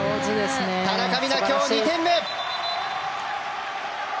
田中美南、今日２点目！